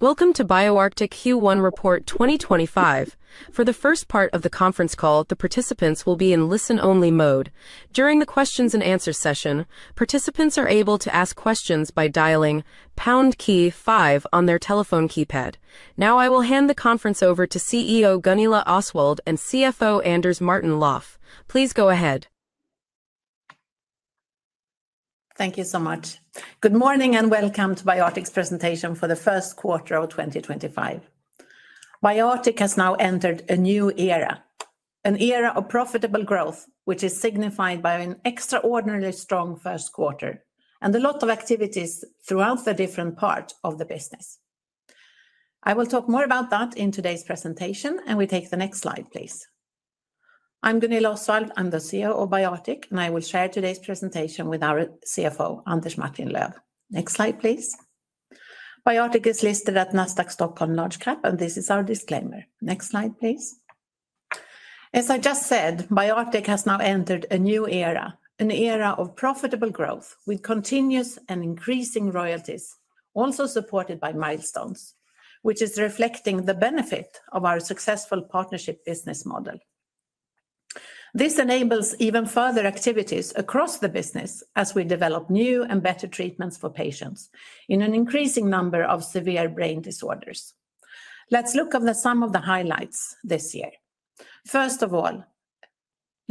Welcome to BioArctic Q1 Report 2025. For the first part of the conference call, the participants will be in listen-only mode. During the Q&A session, participants are able to ask questions by dialing pound key five on their telephone keypad. Now, I will hand the conference over to CEO Gunilla Osswald and CFO Anders Martin-Löf. Please go ahead. Thank you so much. Good morning and welcome to BioArctic's presentation for the first quarter of 2025. BioArctic has now entered a new era, an era of profitable growth, which is signified by an extraordinarily strong first quarter and a lot of activities throughout the different parts of the business. I will talk more about that in today's presentation, and we take the next slide, please. I'm Gunilla Osswald, I'm the CEO of BioArctic, and I will share today's presentation with our CFO, Anders Martin-Löf. Next slide, please. BioArctic is listed at Nasdaq Stockholm Large Cap, and this is our disclaimer. Next slide, please. As I just said, BioArctic has now entered a new era, an era of profitable growth with continuous and increasing royalties, also supported by milestones, which is reflecting the benefit of our successful partnership business model. This enables even further activities across the business as we develop new and better treatments for patients in an increasing number of severe brain disorders. Let's look at some of the highlights this year. First of all,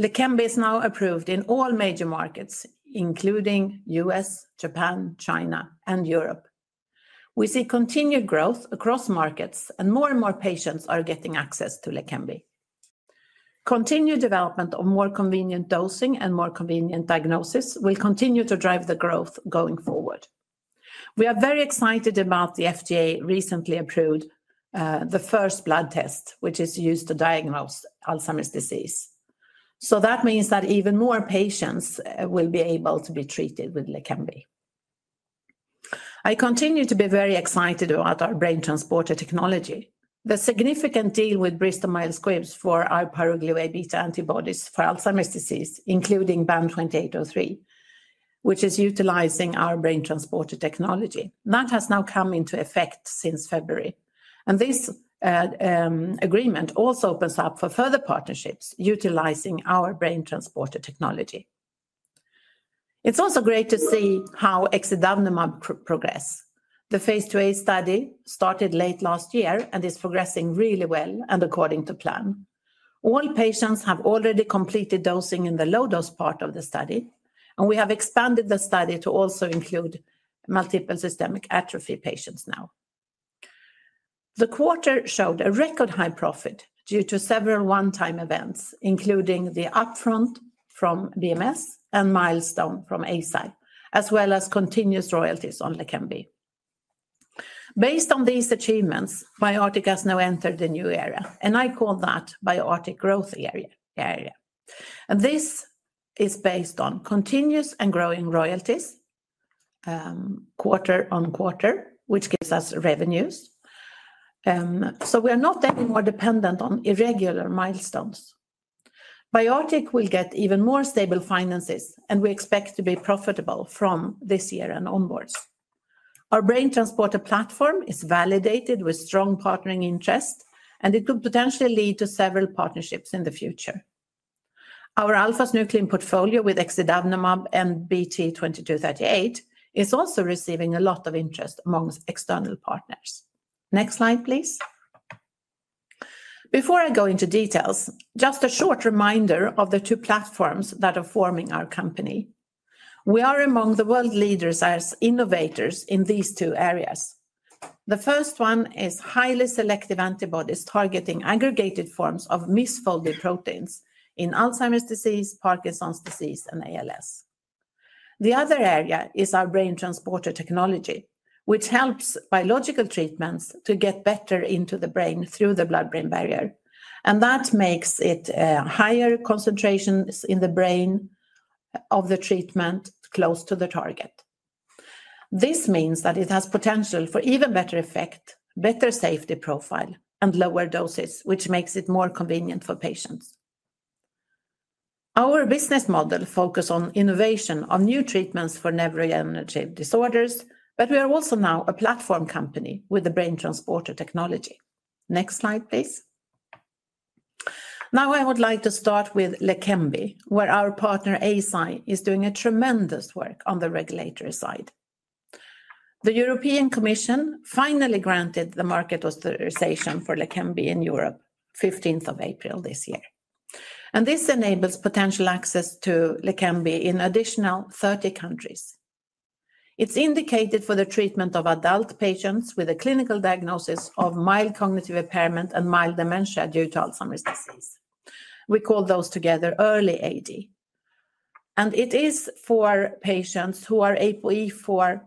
Leqembi is now approved in all major markets, including the U.S., Japan, China, and Europe. We see continued growth across markets, and more and more patients are getting access to Leqembi. Continued development of more convenient dosing and more convenient diagnosis will continue to drive the growth going forward. We are very excited about the FDA recently approved the first blood test, which is used to diagnose Alzheimer's disease. That means that even more patients will be able to be treated with Leqembi. I continue to be very excited about our BrainTransporter technology. The significant deal with Bristol Myers Squibb for our paragluteal Beta antibodies for Alzheimer's disease, including BAM/2803, which is utilizing our BrainTransporter technology, that has now come into effect since February. This agreement also opens up for further partnerships utilizing our BrainTransporter technology. It's also great to see how Exidavnemab progresses. The phase 2A study started late last year and is progressing really well and according to plan. All patients have already completed dosing in the low-dose part of the study, and we have expanded the study to also include multiple system atrophy patients now. The quarter showed a record high profit due to several one-time events, including the upfront from BMS and milestone from Eisai`, as well as continuous royalties on Leqembi. Based on these achievements, BioArctic has now entered a new era, and I call that BioArctic Growth Area. This is based on continuous and growing royalties quarter on quarter, which gives us revenues. We are not anymore dependent on irregular milestones. BioArctic will get even more stable finances, and we expect to be profitable from this year and onwards. Our BrainTransporter platform is validated with strong partnering interest, and it could potentially lead to several partnerships in the future. Our alpha-synuclein portfolio with Exidavnemab and BT2238 is also receiving a lot of interest amongst external partners. Next slide, please. Before I go into details, just a short reminder of the two platforms that are forming our company. We are among the world leaders as innovators in these two areas. The first one is highly selective antibodies targeting aggregated forms of misfolded proteins in Alzheimer's disease, Parkinson's disease, and ALS. The other area is our BrainTransporter technology, which helps biological treatments to get better into the brain through the blood-brain barrier, and that makes it higher concentrations in the brain of the treatment close to the target. This means that it has potential for even better effect, better safety profile, and lower doses, which makes it more convenient for patients. Our business model focuses on innovation of new treatments for neurodegenerative disorders, but we are also now a platform company with the BrainTransporter technology. Next slide, please. Now, I would like to start with Leqembi, where our partner Eisai is doing tremendous work on the regulatory side. The European Commission finally granted the market authorization for Leqembi in Europe on the 15th of April this year. This enables potential access to Leqembi in additional 30 countries. It's indicated for the treatment of adult patients with a clinical diagnosis of mild cognitive impairment and mild dementia due to Alzheimer's disease. We call those together early AD. It is for patients who are ApoE4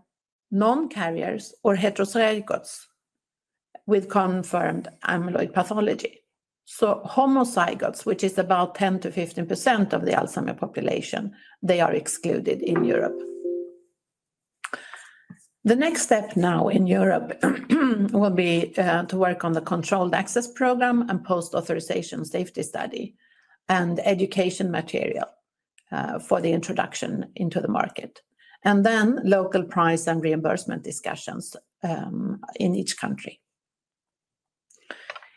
non-carriers or heterozygotes with confirmed amyloid pathology. Homozygotes, which is about 10%-15% of the Alzheimer's population, are excluded in Europe. The next step now in Europe will be to work on the controlled access program and post-authorization safety study and education material for the introduction into the market, and then local price and reimbursement discussions in each country.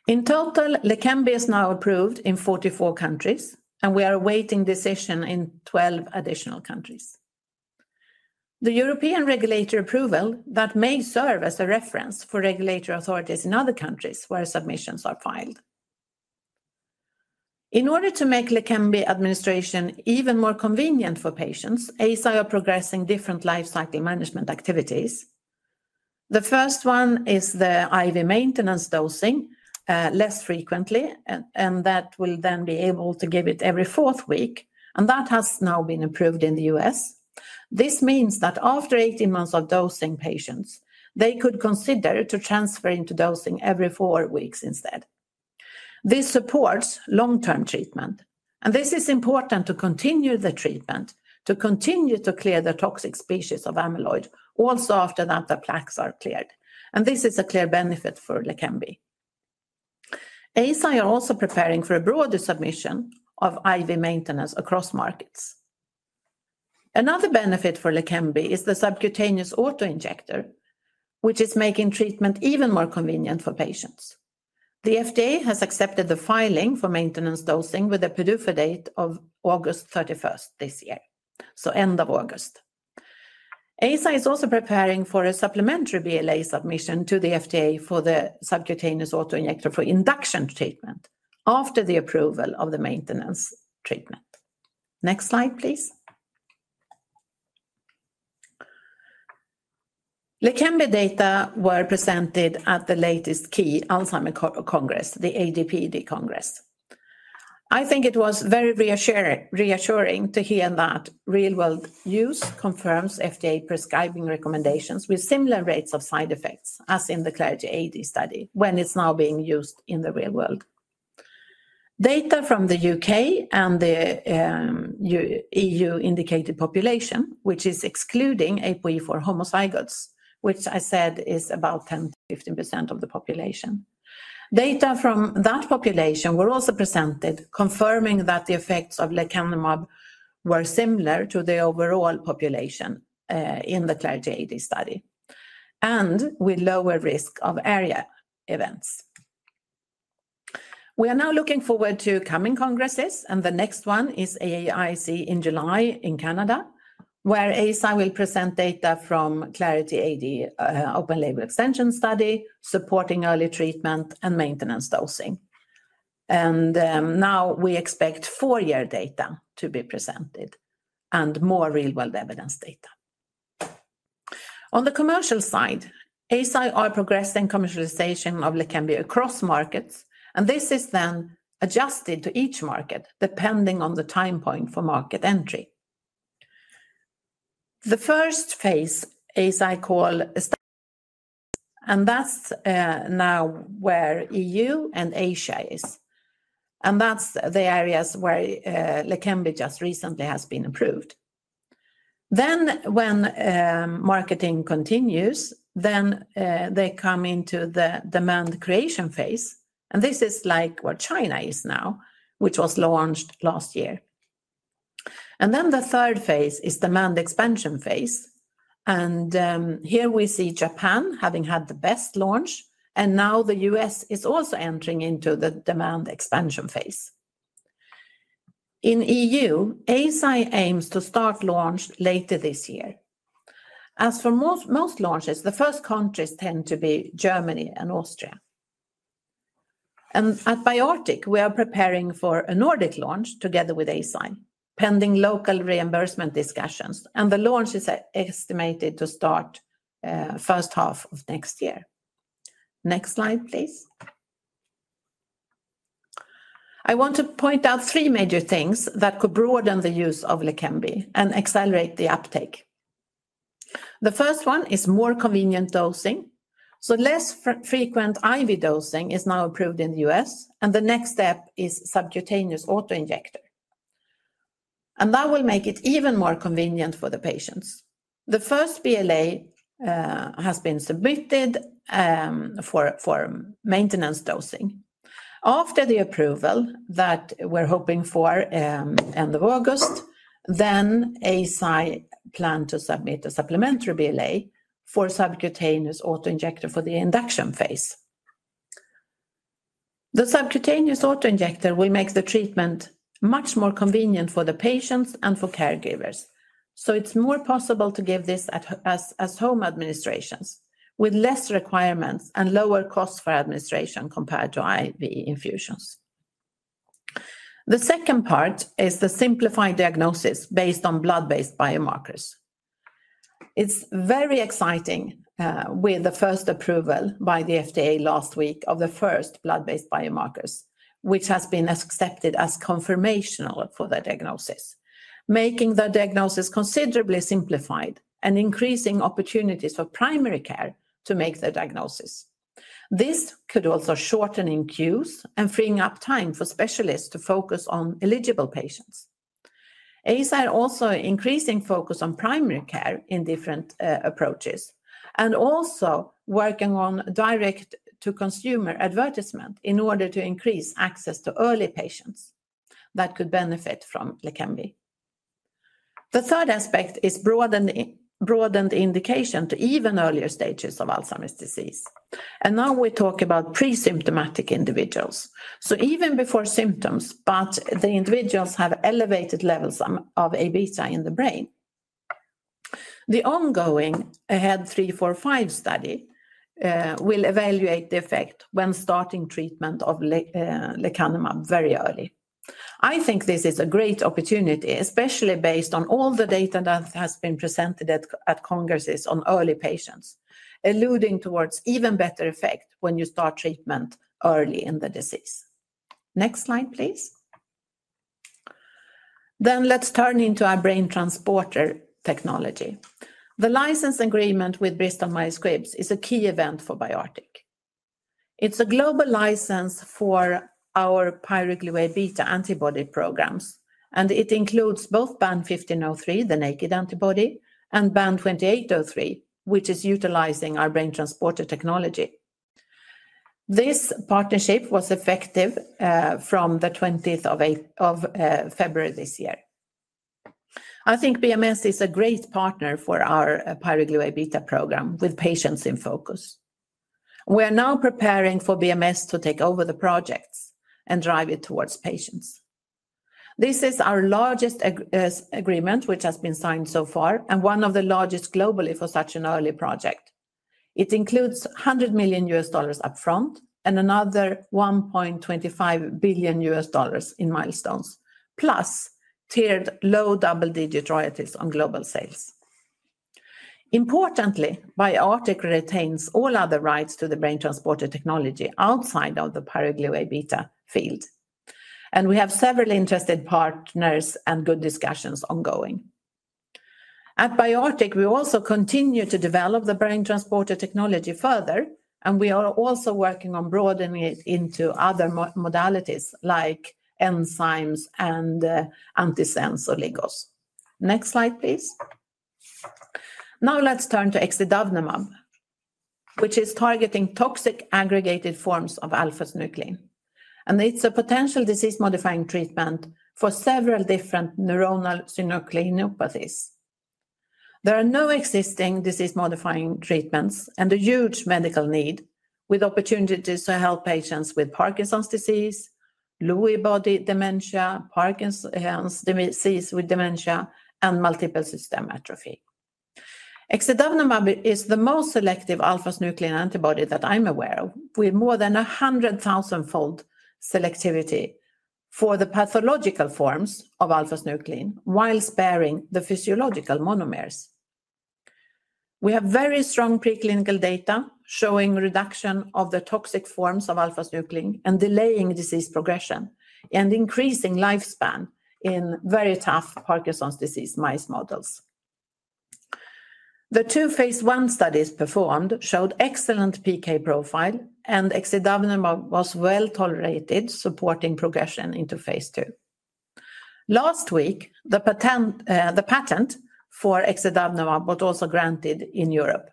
In total, Leqembi is now approved in 44 countries, and we are awaiting decision in 12 additional countries. The European regulatory approval may serve as a reference for regulatory authorities in other countries where submissions are filed. In order to make Leqembi administration even more convenient for patients, Eisai are progressing different lifecycle management activities. The first one is the IV maintenance dosing less frequently, and that will then be able to give it every fourth week. That has now been approved in the U.S. This means that after 18 months of dosing patients, they could consider transferring to dosing every four weeks instead. This supports long-term treatment, and this is important to continue the treatment, to continue to clear the toxic species of amyloid also after that the plaques are cleared. This is a clear benefit for Leqembi. Eisai are also preparing for a broader submission of IV maintenance across markets. Another benefit for Leqembi is the subcutaneous autoinjector, which is making treatment even more convenient for patients. The FDA has accepted the filing for maintenance dosing with a PDUFA date of August 31st this year, so end of August. Eisai is also preparing for a supplementary BLA submission to the FDA for the subcutaneous autoinjector for induction treatment after the approval of the maintenance treatment. Next slide, please. Leqembi data were presented at the latest key Alzheimer's Congress, the ADPD Congress. I think it was very reassuring to hear that real-world use confirms FDA prescribing recommendations with similar rates of side effects as in the Clarity AD study when it's now being used in the real world. Data from the U.K. and the E.U. indicated population, which is excluding ApoE four homozygotes, which I said is about 10%-15% of the population. Data from that population were also presented confirming that the effects of Leqembi were similar to the overall population in the Clarity AD study and with lower risk of ARIA events. We are now looking forward to coming congresses, the next one is AAIC in July in Canada, where Eisai will present data from Clarity AD open label extension study supporting early treatment and maintenance dosing. We expect four-year data to be presented and more real-world evidence data. On the commercial side, Eisai are progressing commercialization of Leqembi across markets, and this is then adjusted to each market depending on the time point for market entry. The first phase Eisai call. That is now where E.U. and Asia is, and that is the areas where Leqembi just recently has been approved. When marketing continues, they come into the demand creation phase, and this is like what China is now, which was launched last year. The third phase is demand expansion phase, and here we see Japan having had the best launch, and now the U.S. is also entering into the demand expansion phase. In E.U., Eisai aims to start launch later this year. As for most launches, the first countries tend to be Germany and Austria. At BioArctic, we are preparing for a Nordic launch together with Eisai pending local reimbursement discussions, and the launch is estimated to start first half of next year. Next slide, please. I want to point out three major things that could broaden the use of Leqembi and accelerate the uptake. The first one is more convenient dosing, so less frequent IV dosing is now approved in the U.S., and the next step is subcutaneous autoinjector. That will make it even more convenient for the patients. The first BLA has been submitted for maintenance dosing. After the approval that we're hoping for end of August, Eisai plan to submit a supplementary BLA for subcutaneous autoinjector for the induction phase. The subcutaneous autoinjector will make the treatment much more convenient for the patients and for caregivers, so it's more possible to give this as home administrations with less requirements and lower costs for administration compared to IV infusions. The second part is the simplified diagnosis based on blood-based biomarkers. It's very exciting with the first approval by the FDA last week of the first blood-based biomarkers, which has been accepted as confirmational for the diagnosis, making the diagnosis considerably simplified and increasing opportunities for primary care to make the diagnosis. This could also shorten in queues and free up time for specialists to focus on eligible patients. Eisai are also increasing focus on primary care in different approaches and also working on direct-to-consumer advertisement in order to increase access to early patients that could benefit from Leqembi. The third aspect is broadened indication to even earlier stages of Alzheimer's disease. Now we talk about pre-symptomatic individuals, so even before symptoms, but the individuals have elevated levels of A Beta in the brain. The ongoing AHEAD 3-45 study will evaluate the effect when starting treatment of Leqembi very early. I think this is a great opportunity, especially based on all the data that has been presented at congresses on early patients, alluding towards even better effect when you start treatment early in the disease. Next slide, please. Let us turn to our BrainTransporter technology. The license agreement with Bristol Myers Squibb is a key event for BioArctic. It is a global license for our amyloid beta antibody programs, and it includes both BAM1503, the naked antibody, and BAM2803, which is utilizing our BrainTransporter technology. This partnership was effective from the 20th of February this year. I think BMS is a great partner for our amyloid beta program with patients in focus. We are now preparing for BMS to take over the projects and drive it towards patients. This is our largest agreement, which has been signed so far, and one of the largest globally for such an early project. It includes $100 million upfront and another $1.25 billion in milestones, plus tiered low double-digit royalties on global sales. Importantly, BioArctic retains all other rights to the BrainTransporter technology outside of the amyloid beta field, and we have several interested partners and good discussions ongoing. At BioArctic, we also continue to develop the BrainTransporter technology further, and we are also working on broadening it into other modalities like enzymes and antisense oligos. Next slide, please. Now let's turn to Exidavnemab, which is targeting toxic aggregated forms of alpha-synuclein, and it's a potential disease-modifying treatment for several different neuronal synucleinopathies. There are no existing disease-modifying treatments and a huge medical need with opportunities to help patients with Parkinson's disease, Lewy body dementia, Parkinson's disease with dementia, and multiple system atrophy. Exidavnemab is the most selective alpha-synuclein antibody that I'm aware of, with more than a hundred thousand-fold selectivity for the pathological forms of alpha-synuclein while sparing the physiological monomers. We have very strong preclinical data showing reduction of the toxic forms of alpha-synuclein and delaying disease progression and increasing lifespan in very tough Parkinson's disease mice models. The two phase one studies performed showed excellent PK profile, and Exidavnemab was well tolerated, supporting progression into phase two. Last week, the patent for Exidavnemab was also granted in Europe,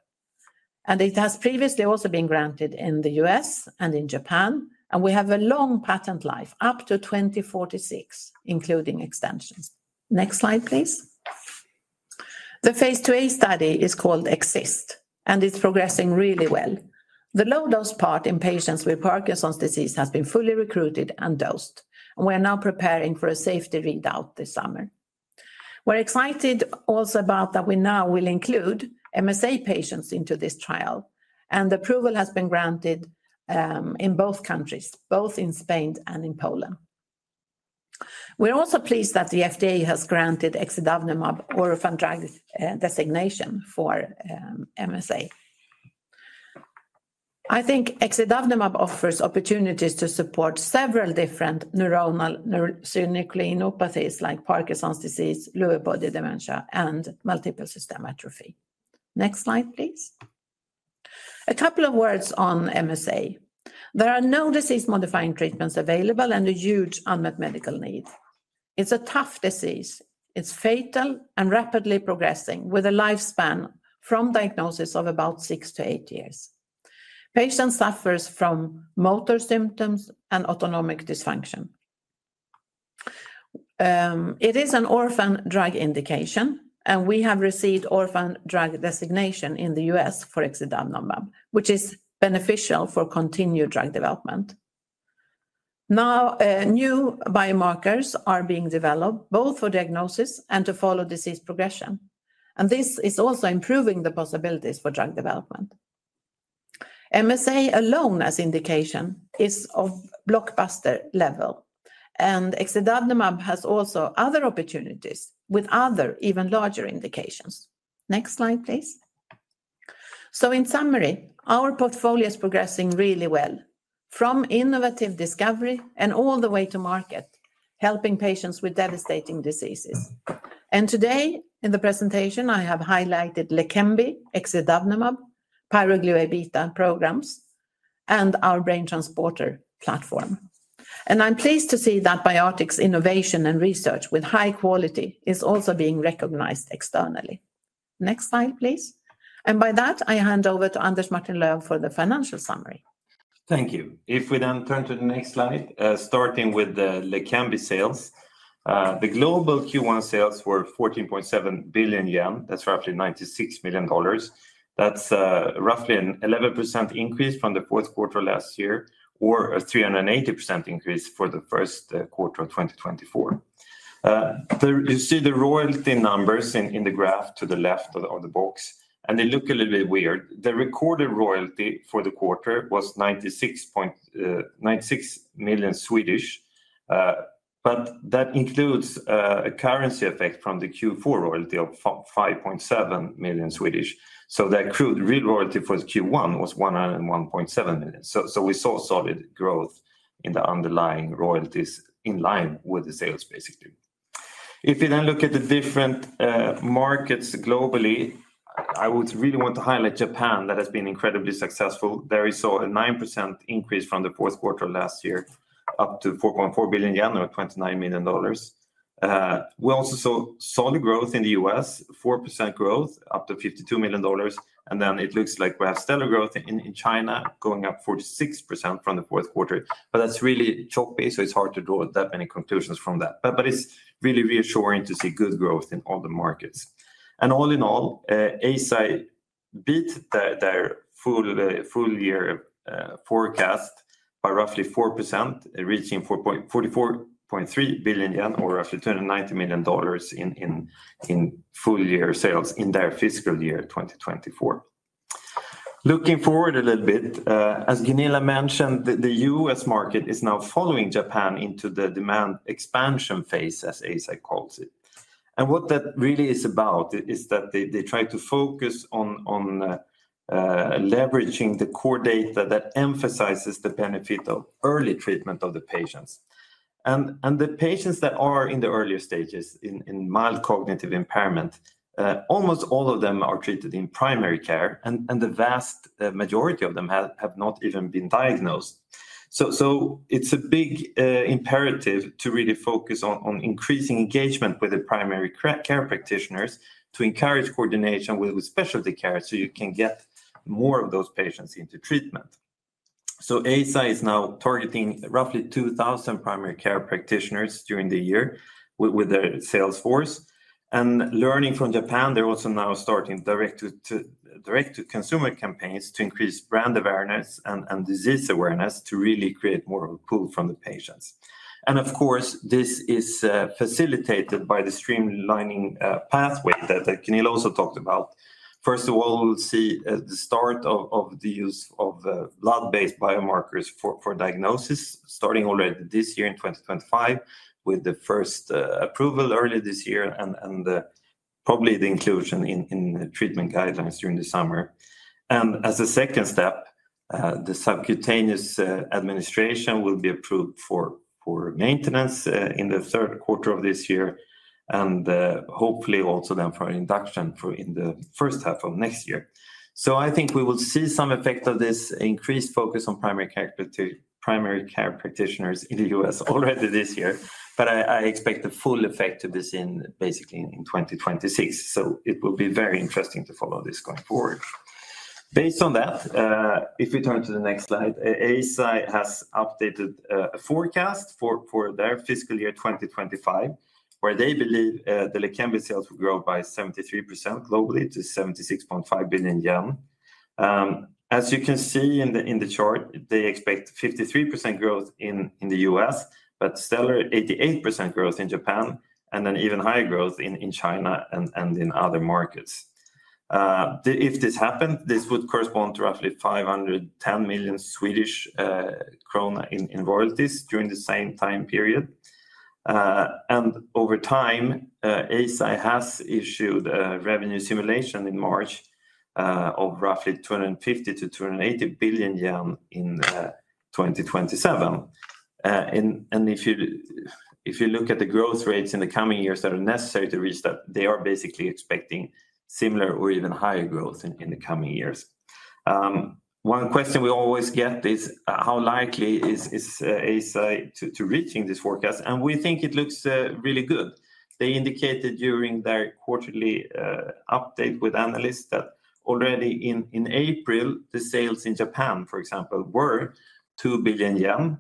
and it has previously also been granted in the U.S. and in Japan, and we have a long patent life up to 2046, including extensions. Next slide, please. The phase 2A study is called Exist, and it's progressing really well. The low-dose part in patients with Parkinson's disease has been fully recruited and dosed, and we are now preparing for a safety readout this summer. We're excited also about that we now will include MSA patients into this trial, and the approval has been granted in both countries, both in Spain and in Poland. We're also pleased that the FDA has granted Exidavnemab orphan drug designation for MSA. I think Exidavnemab offers opportunities to support several different neuronal synucleinopathies like Parkinson's disease, Lewy body dementia, and multiple system atrophy. Next slide, please. A couple of words on MSA. There are no disease-modifying treatments available and a huge unmet medical need. It's a tough disease. It's fatal and rapidly progressing with a lifespan from diagnosis of about six to eight years. Patients suffer from motor symptoms and autonomic dysfunction. It is an orphan drug indication, and we have received orphan drug designation in the U.S. for Exidavnemab, which is beneficial for continued drug development. Now new biomarkers are being developed both for diagnosis and to follow disease progression, and this is also improving the possibilities for drug development. MSA alone as indication is of blockbuster level, and Exidavnemab has also other opportunities with other even larger indications. Next slide, please. In summary, our portfolio is progressing really well from innovative discovery and all the way to market, helping patients with devastating diseases. Today in the presentation, I have highlighted Leqembi, Exidavnemab, paragluteal beta programs, and our BrainTransporter platform. I am pleased to see that BioArctic's innovation and research with high quality is also being recognized externally. Next slide, please. By that, I hand over to Anders Martin-Löf for the financial summary. Thank you. If we then turn to the next slide, starting with the Leqembi sales, the global Q1 sales were 14.7 billion yen. That's roughly $96 million. That's roughly an 11% increase from the fourth quarter last year or a 380% increase for the first quarter of 2024. You see the royalty numbers in the graph to the left of the box, and they look a little bit weird. The recorded royalty for the quarter was 96 million, but that includes a currency effect from the Q4 royalty of 5.7 million. So the accrued real royalty for Q1 was 101.7 million. We saw solid growth in the underlying royalties in line with the sales, basically. If you then look at the different markets globally, I would really want to highlight Japan that has been incredibly successful. There is a 9% increase from the fourth quarter last year up to 4.4 billion yen or $29 million. We also saw solid growth in the U.S., 4% growth up to $52 million, and it looks like we have stellar growth in China going up 46% from the fourth quarter, but that's really choppy, so it's hard to draw that many conclusions from that. It is really reassuring to see good growth in all the markets. All in all, Eisai beat their full year forecast by roughly 4%, reaching 44.3 billion yen or roughly $290 million in full year sales in their fiscal year 2024. Looking forward a little bit, as Gunilla mentioned, the U.S. market is now following Japan into the demand expansion phase, as Eisai calls it. What that really is about is that they try to focus on leveraging the core data that emphasizes the benefit of early treatment of the patients. The patients that are in the earlier stages in mild cognitive impairment, almost all of them are treated in primary care, and the vast majority of them have not even been diagnosed. It is a big imperative to really focus on increasing engagement with the primary care practitioners to encourage coordination with specialty care so you can get more of those patients into treatment. Eisai is now targeting roughly 2,000 primary care practitioners during the year with their sales force. Learning from Japan, they are also now starting direct-to-consumer campaigns to increase brand awareness and disease awareness to really create more of a pull from the patients. Of course, this is facilitated by the streamlining pathway that Gunilla also talked about. First of all, we'll see the start of the use of blood-based biomarkers for diagnosis starting already this year in 2025 with the first approval early this year and probably the inclusion in treatment guidelines during the summer. As a second step, the subcutaneous administration will be approved for maintenance in the third quarter of this year and hopefully also then for induction in the first half of next year. I think we will see some effect of this increased focus on primary care practitioners in the U.S. already this year, but I expect the full effect of this basically in 2026. It will be very interesting to follow this going forward. Based on that, if we turn to the next slide, Eisai has updated a forecast for their fiscal year 2025 where they believe the Leqembi sales will grow by 73% globally to 76.5 billion yen. As you can see in the chart, they expect 53% growth in the U.S., but stellar 88% growth in Japan and then even higher growth in China and in other markets. If this happens, this would correspond to roughly 510 million Swedish krona in royalties during the same time period. Over time, Eisai has issued a revenue simulation in March of roughly 250-280 billion yen in 2027. If you look at the growth rates in the coming years that are necessary to reach that, they are basically expecting similar or even higher growth in the coming years. One question we always get is how likely is Eisai to reaching this forecast? We think it looks really good. They indicated during their quarterly update with analysts that already in April, the sales in Japan, for example, were 2 billion yen.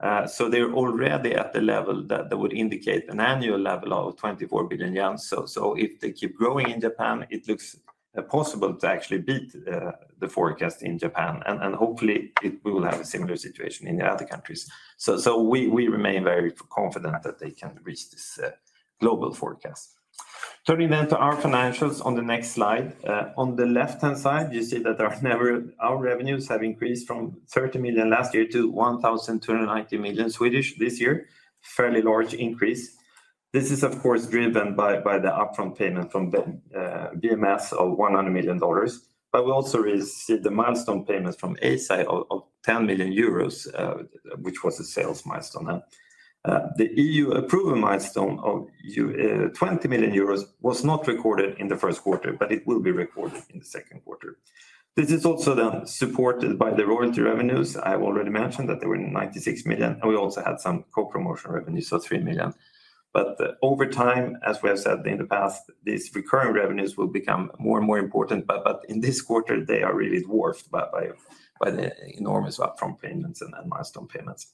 They are already at the level that would indicate an annual level of 24 billion yen. If they keep growing in Japan, it looks possible to actually beat the forecast in Japan, and hopefully we will have a similar situation in the other countries. We remain very confident that they can reach this global forecast. Turning then to our financials on the next slide. On the left-hand side, you see that our revenues have increased from 30 million last year to 1,290 million this year, fairly large increase. This is, of course, driven by the upfront payment from BMS of $100 million, but we also received the milestone payments from Eisai of 10 million euros, which was a sales milestone. The EU-approved milestone of 20 million euros was not recorded in the first quarter, but it will be recorded in the second quarter. This is also then supported by the royalty revenues. I've already mentioned that they were 96 million. We also had some co-promotion revenues, so 3 million. Over time, as we have said in the past, these recurring revenues will become more and more important, but in this quarter, they are really dwarfed by the enormous upfront payments and milestone payments.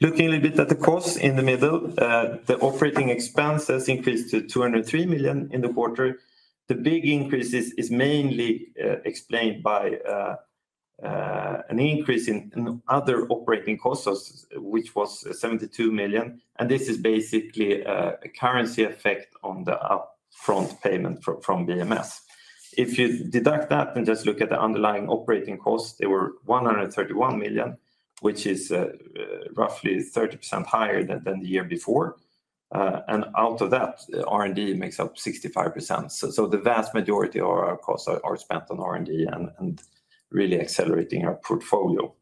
Looking a little bit at the costs in the middle, the operating expenses increased to 203 million in the quarter. The big increase is mainly explained by an increase in other operating costs, which was 72 million, and this is basically a currency effect on the upfront payment from BMS. If you deduct that and just look at the underlying operating costs, they were 131 million, which is roughly 30% higher than the year before. Out of that, R&D makes up 65%. The vast majority of our costs are spent on R&D and really accelerating our portfolio.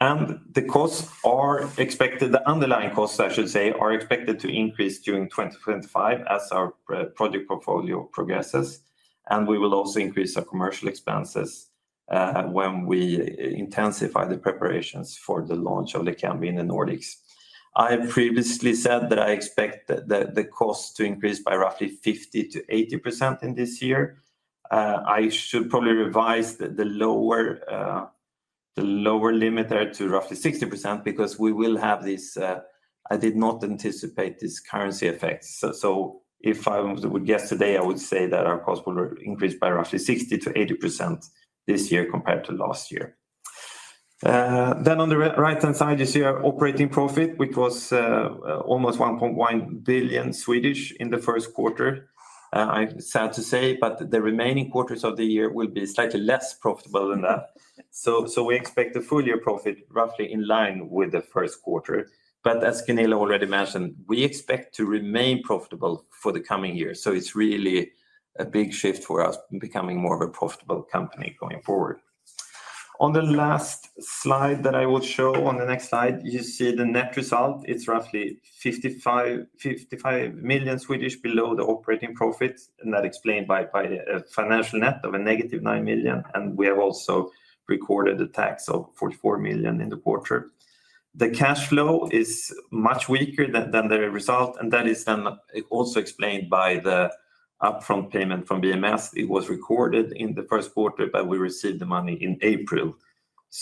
The costs are expected, the underlying costs, I should say, are expected to increase during 2025 as our project portfolio progresses, and we will also increase our commercial expenses when we intensify the preparations for the launch of Leqembi in the Nordics. I previously said that I expect the costs to increase by roughly 50%-80% in this year. I should probably revise the lower limit there to roughly 60% because we will have this, I did not anticipate this currency effect. If I would guess today, I would say that our costs will increase by roughly 60%-80% this year compared to last year. On the right-hand side, you see our operating profit, which was almost 1.1 billion in the first quarter. I'm sad to say, but the remaining quarters of the year will be slightly less profitable than that. We expect the full year profit roughly in line with the first quarter. As Gunilla already mentioned, we expect to remain profitable for the coming year. It is really a big shift for us becoming more of a profitable company going forward. On the last slide that I will show on the next slide, you see the net result. It's roughly 55 million below the operating profit, and that's explained by a financial net of a -9 million, and we have also recorded a tax of 44 million in the quarter. The cash flow is much weaker than the result, and that is then also explained by the upfront payment from BMS. It was recorded in the first quarter, but we received the money in April.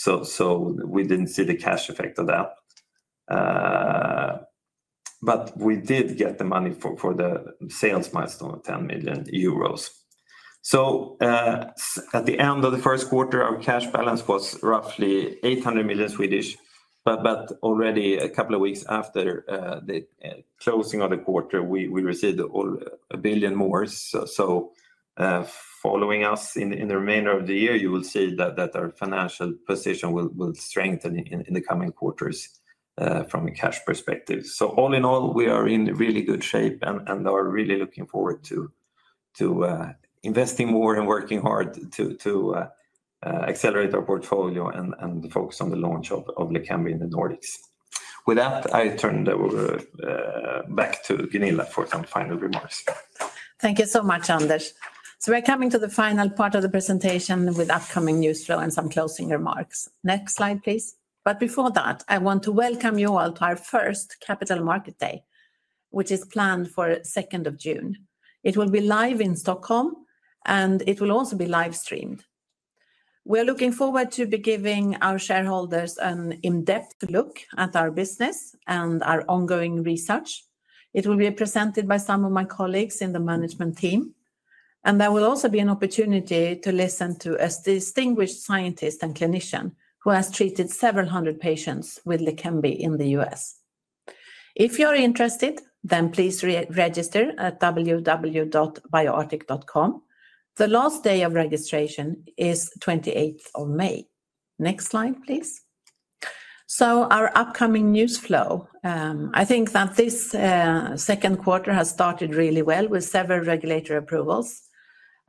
We did not see the cash effect of that. We did get the money for the sales milestone of 10 million euros. At the end of the first quarter, our cash balance was roughly 800 million, but already a couple of weeks after the closing of the quarter, we received 1 billion more. Following us in the remainder of the year, you will see that our financial position will strengthen in the coming quarters from a cash perspective. All in all, we are in really good shape and are really looking forward to investing more and working hard to accelerate our portfolio and focus on the launch of Leqembi in the Nordics. With that, I turn back to Gunilla for some final remarks. Thank you so much, Anders. We are coming to the final part of the presentation with upcoming news flow and some closing remarks. Next slide, please. Before that, I want to welcome you all to our first Capital Market Day, which is planned for 2nd of June. It will be live in Stockholm, and it will also be live streamed. We are looking forward to giving our shareholders an in-depth look at our business and our ongoing research. It will be presented by some of my colleagues in the management team, and there will also be an opportunity to listen to a distinguished scientist and clinician who has treated several hundred patients with Leqembi in the U.S. If you're interested, then please register at www.bioarctic.com. The last day of registration is 28th of May. Next slide, please. Our upcoming news flow, I think that this second quarter has started really well with several regulatory approvals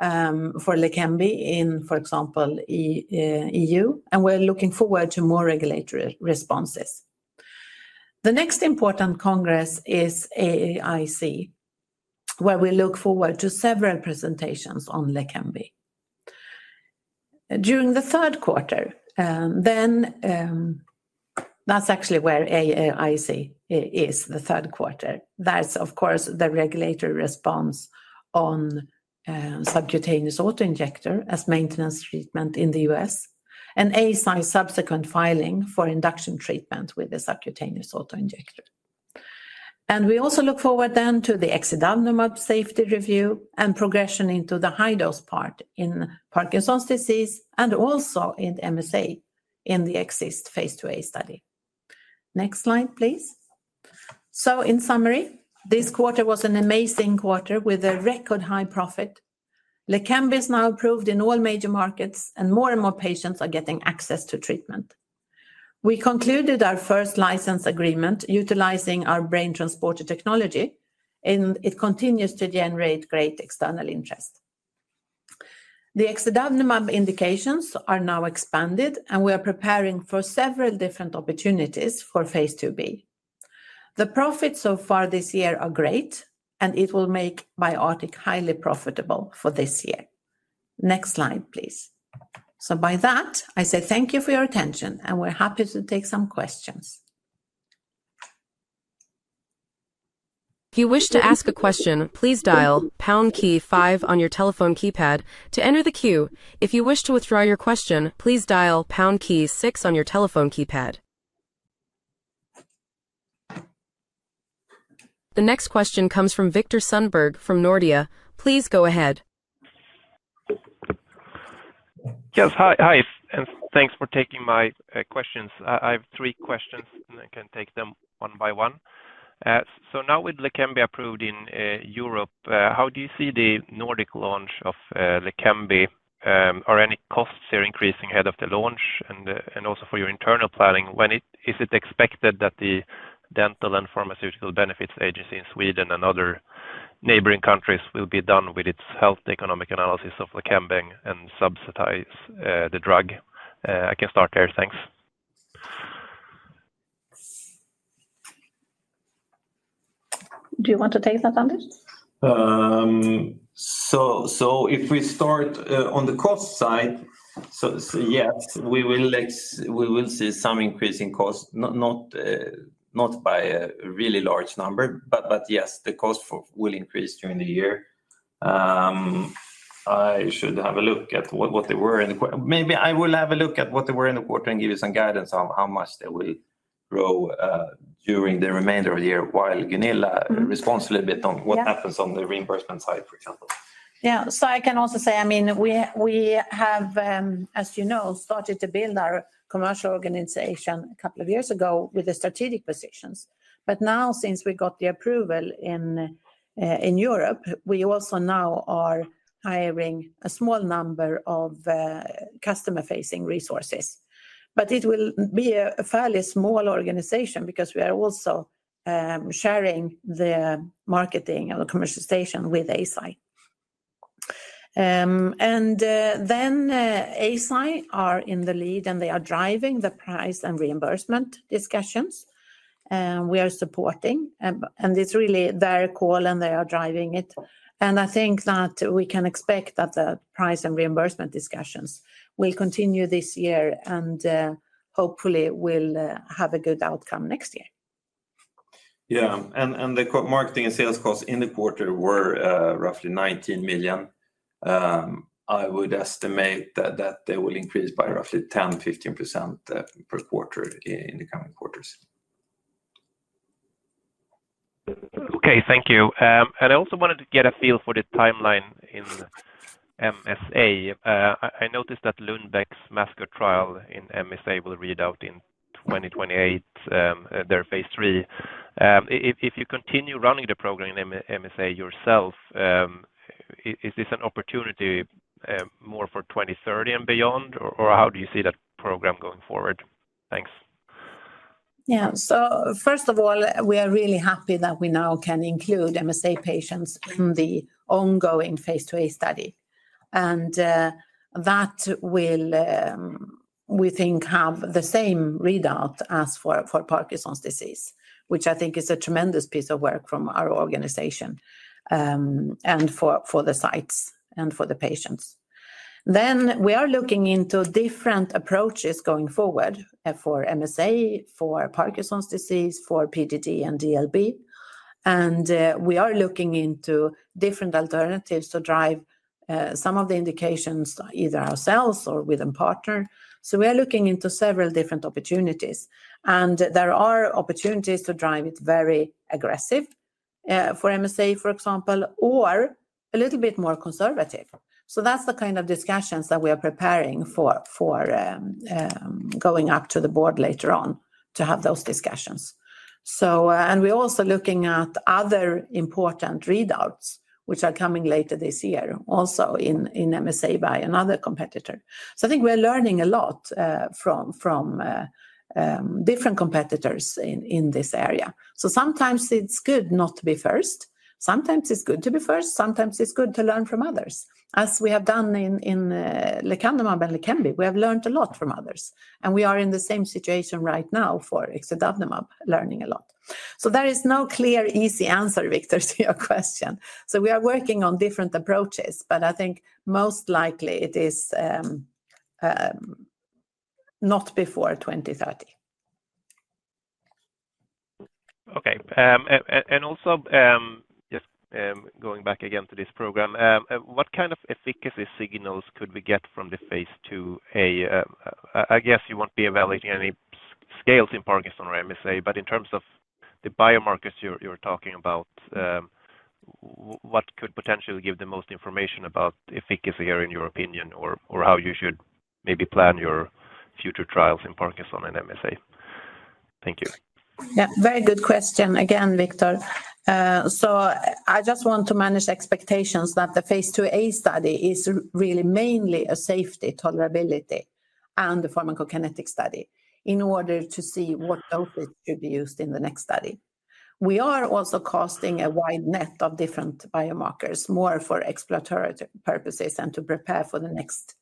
for Leqembi in, for example, E.U., and we're looking forward to more regulatory responses. The next important congress is AAIC, where we look forward to several presentations on Leqembi. During the third quarter, then that's actually where AAIC is, the third quarter. That's, of course, the regulatory response on subcutaneous autoinjector as maintenance treatment in the U.S. and Eisai's subsequent filing for induction treatment with the subcutaneous autoinjector. We also look forward then to the Exidavnemab safety review and progression into the high-dose part in Parkinson's disease and also in MSA in the Exist phase 2A study. Next slide, please. In summary, this quarter was an amazing quarter with a record high profit. Leqembi is now approved in all major markets, and more and more patients are getting access to treatment. We concluded our first license agreement utilizing our BrainTransporter technology, and it continues to generate great external interest. The Exidavnemab indications are now expanded, and we are preparing for several different opportunities for phase 2B. The profits so far this year are great, and it will make BioArctic highly profitable for this year. Next slide, please. By that, I say thank you for your attention, and we're happy to take some questions. If you wish to ask a question, please dial pound key five on your telephone keypad to enter the queue. If you wish to withdraw your question, please dial pound key six on your telephone keypad. The next question comes from Viktor Sundberg from Nordea. Please go ahead. Yes, hi, and thanks for taking my questions. I have three questions, and I can take them one by one. Now with Leqembi approved in Europe, how do you see the Nordic launch of Leqembi? Are any costs here increasing ahead of the launch? Also, for your internal planning, is it expected that the Dental and Pharmaceutical Benefits Agency in Sweden and other neighboring countries will be done with its health economic analysis of Leqembi and subsidize the drug? I can start there. Thanks. Do you want to take that, Anders? If we start on the cost side, yes, we will see some increase in cost, not by a really large number, but yes, the cost will increase during the year. I should have a look at what they were in the quarter. Maybe I will have a look at what they were in the quarter and give you some guidance on how much they will grow during the remainder of the year while Gunilla responds a little bit on what happens on the reimbursement side, for example. Yeah, I can also say, I mean, we have, as you know, started to build our commercial organization a couple of years ago with the strategic positions. Now, since we got the approval in Europe, we also now are hiring a small number of customer-facing resources. It will be a fairly small organization because we are also sharing the marketing and the commercialization with Eisai. Eisai are in the lead, and they are driving the price and reimbursement discussions. We are supporting, and it is really their call, and they are driving it. I think that we can expect that the price and reimbursement discussions will continue this year and hopefully will have a good outcome next year. The marketing and sales costs in the quarter were roughly 19 million. I would estimate that they will increase by roughly 10%-15% per quarter in the coming quarters. Okay, thank you. I also wanted to get a feel for the timeline in MSA. I noticed that Lundbeck's master trial in MSA will read out in 2028, their phase three. If you continue running the program in MSA yourself, is this an opportunity more for 2030 and beyond, or how do you see that program going forward? Thanks. Yeah, first of all, we are really happy that we now can include MSA patients in the ongoing phase 2A study. That will, we think, have the same readout as for Parkinson's disease, which I think is a tremendous piece of work from our organization and for the sites and for the patients. We are looking into different approaches going forward for MSA, for Parkinson's disease, for PDD and DLB. We are looking into different alternatives to drive some of the indications either ourselves or with a partner. We are looking into several different opportunities. There are opportunities to drive it very aggressive for MSA, for example, or a little bit more conservative. That is the kind of discussions that we are preparing for, going up to the board later on to have those discussions. We are also looking at other important readouts, which are coming later this year also in MSA by another competitor. I think we are learning a lot from different competitors in this area. Sometimes it is good not to be first. Sometimes it is good to be first. Sometimes it is good to learn from others. As we have done in Leqembi, we have learned a lot from others. We are in the same situation right now for Exidavnemab, learning a lot. There is no clear easy answer, Viktor, to your question. We are working on different approaches, but I think most likely it is not before 2030. Okay, and also, just going back again to this program, what kind of efficacy signals could we get from the phase 2A? I guess you won't be evaluating any scales in Parkinson or MSA, but in terms of the biomarkers you're talking about, what could potentially give the most information about efficacy here in your opinion or how you should maybe plan your future trials in Parkinson and MSA? Thank you. Yeah, very good question. Again, Viktor. I just want to manage expectations that the phase 2A study is really mainly a safety, tolerability, and pharmacokinetic study in order to see what dosage should be used in the next study. We are also casting a wide net of different biomarkers more for exploratory purposes and to prepare for the next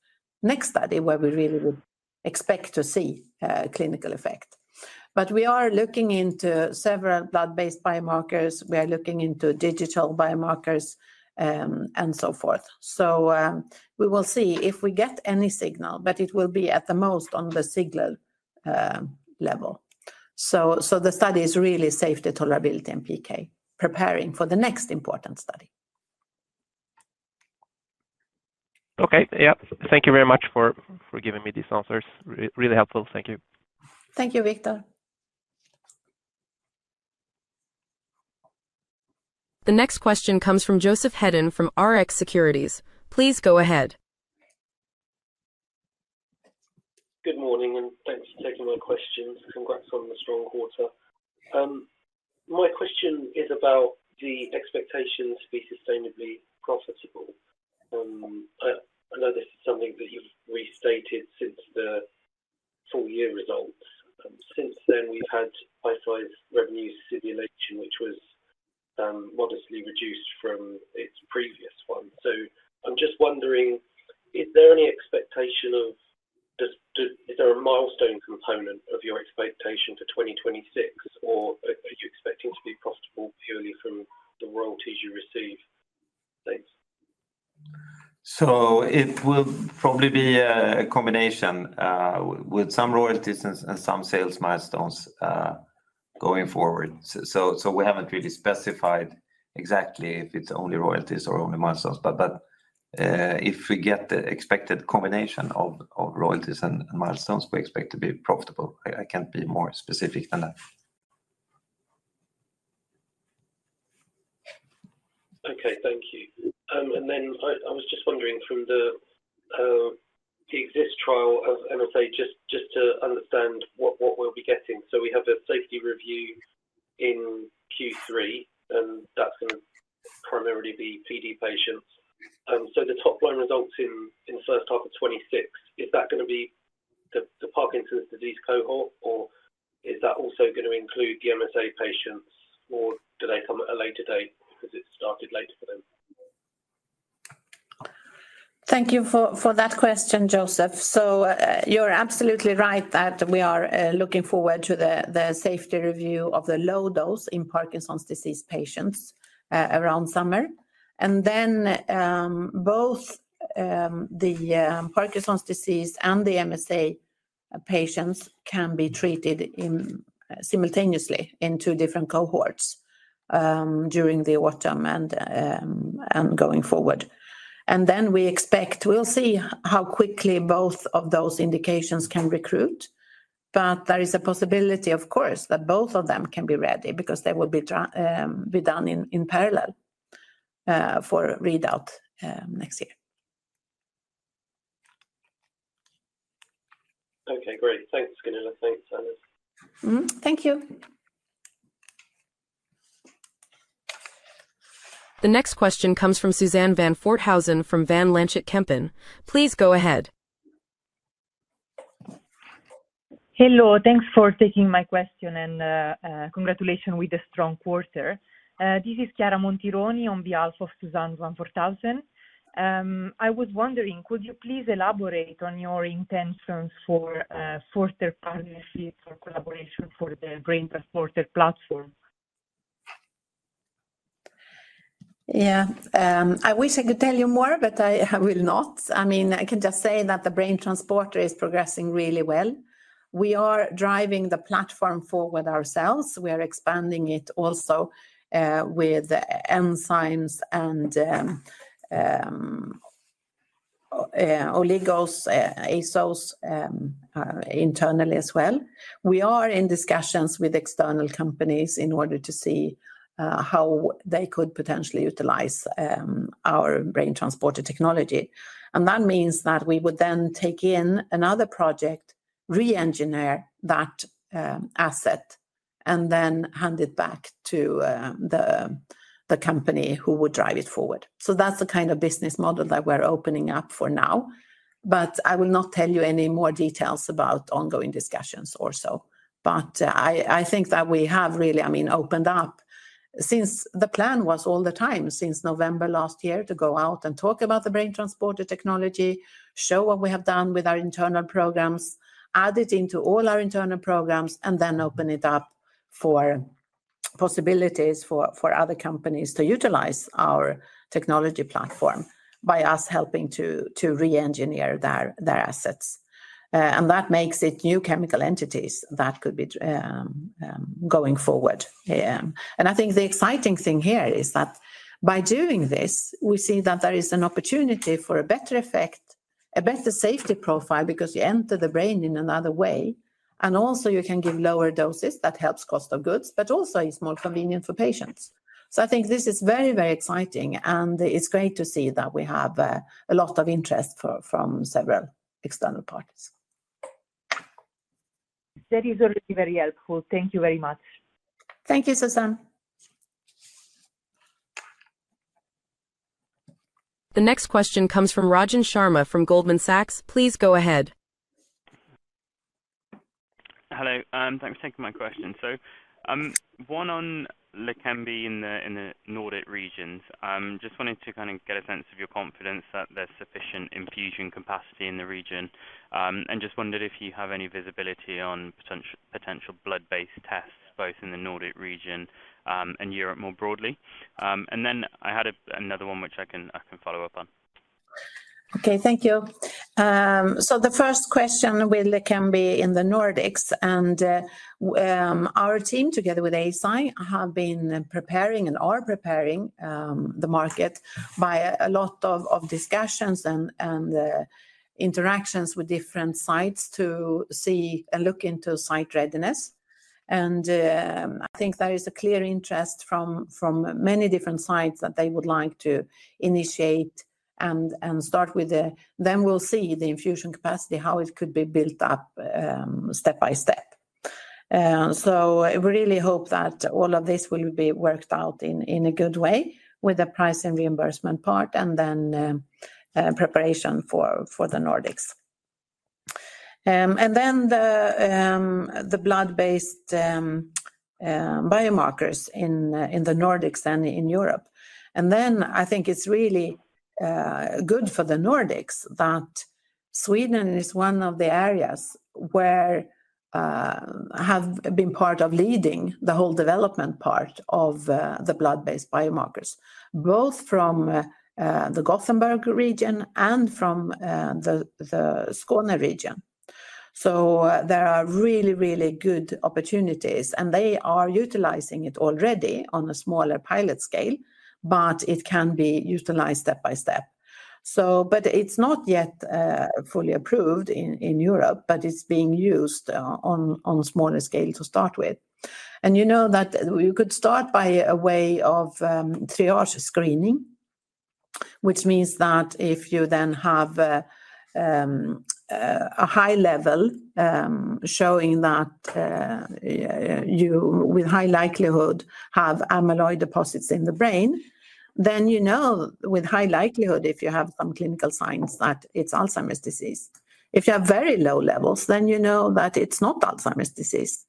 study where we really would expect to see clinical effect. We are looking into several blood-based biomarkers. We are looking into digital biomarkers and so forth. We will see if we get any signal, but it will be at the most on the signal level. The study is really safety, tolerability, and PK, preparing for the next important study. Okay, yep. Thank you very much for giving me these answers. Really helpful. Thank you. Thank you, Viktor. The next question comes from Joseph Hedden from RX Securities. Please go ahead. Good morning and thanks for taking my questions. Congrats on the strong quarter. My question is about the expectation to be sustainably profitable. I know this is something that you've restated since the full year results. Since then, we've had high-sized revenue simulation, which was modestly reduced from its previous one. I'm just wondering, is there any expectation of, is there a milestone component of your expectation for 2026, or are you expecting to be profitable purely from the royalties you receive? Thanks. It will probably be a combination with some royalties and some sales milestones going forward. We haven't really specified exactly if it's only royalties or only milestones, but if we get the expected combination of royalties and milestones, we expect to be profitable. I can't be more specific than that. Thank you. I was just wondering from the Exist trial of MSA, just to understand what we'll be getting. We have a safety review in Q3, and that's going to primarily be PD patients. The top line results in the first half of 2026, is that going to be the Parkinson's disease cohort, or is that also going to include the MSA patients, or do they come at a later date because it started later for them? Thank you for that question, Joseph. You're absolutely right that we are looking forward to the safety review of the low dose in Parkinson's disease patients around summer. Both the Parkinson's disease and the MSA patients can be treated simultaneously in two different cohorts during the autumn and going forward. We expect, we'll see how quickly both of those indications can recruit, but there is a possibility, of course, that both of them can be ready because they will be done in parallel for readout next year. Okay, great. Thanks, Gunilla. Thanks, Anders. Thank you. The next question comes from Suzanne van Voorthuizen from Van Lanschot Kempen. Please go ahead. Hello, thanks for taking my question and congratulations with the strong quarter. This is Chiara Montironi on behalf of Suzanne van Voorthuizen. I was wondering, could you please elaborate on your intentions for further partnership or collaboration for the BrainTransporter platform? Yeah, I wish I could tell you more, but I will not. I mean, I can just say that the BrainTransporter is progressing really well. We are driving the platform forward ourselves. We are expanding it also with enzymes and oligos and ASOs internally as well. We are in discussions with external companies in order to see how they could potentially utilize our BrainTransporter technology. That means that we would then take in another project, re-engineer that asset, and then hand it back to the company who would drive it forward. That is the kind of business model that we are opening up for now. I will not tell you any more details about ongoing discussions or so. I think that we have really, I mean, opened up since the plan was all the time since November last year to go out and talk about the BrainTransporter technology, show what we have done with our internal programs, add it into all our internal programs, and then open it up for possibilities for other companies to utilize our technology platform by us helping to re-engineer their assets. That makes it new chemical entities that could be going forward. I think the exciting thing here is that by doing this, we see that there is an opportunity for a better effect, a better safety profile because you enter the brain in another way. You can give lower doses. That helps cost of goods, but also is more convenient for patients. I think this is very, very exciting, and it is great to see that we have a lot of interest from several external parties. That is already very helpful. Thank you very much. Thank you, Suzanne. The next question comes from Rajan Sharma from Goldman Sachs. Please go ahead. Hello, thanks for taking my question. One on Leqembi in the Nordic regions. Just wanted to kind of get a sense of your confidence that there's sufficient infusion capacity in the region and just wondered if you have any visibility on potential blood-based tests both in the Nordic region and Europe more broadly. I had another one which I can follow up on. Okay, thank you. The first question with Leqembi in the Nordics and our team together with Eisai have been preparing and are preparing the market via a lot of discussions and interactions with different sites to see and look into site readiness. I think there is a clear interest from many different sides that they would like to initiate and start with. We will see the infusion capacity, how it could be built up step by step. We really hope that all of this will be worked out in a good way with the price and reimbursement part, and then preparation for the Nordics. The blood-based biomarkers in the Nordics and in Europe. I think it's really good for the Nordics that Sweden is one of the areas where I have been part of leading the whole development part of the blood-based biomarkers, both from the Gothenburg region and from the Skåne region. There are really, really good opportunities, and they are utilizing it already on a smaller pilot scale, but it can be utilized step by step. It's not yet fully approved in Europe, but it's being used on a smaller scale to start with. You know that you could start by a way of triage screening, which means that if you then have a high level showing that you with high likelihood have amyloid deposits in the brain, then you know with high likelihood if you have some clinical signs that it is Alzheimer's disease. If you have very low levels, then you know that it is not Alzheimer's disease.